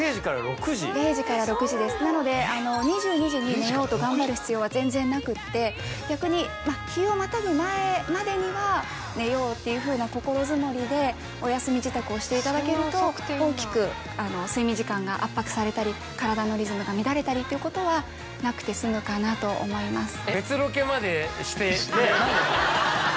なので２２時に寝ようと頑張る必要は全然なくって逆に日をまたぐ前までには寝ようっていうふうな心積もりでお休み支度をしていただけると大きく睡眠時間が圧迫されたり体のリズムが乱れたりっていうことはなくて済むかなと思います。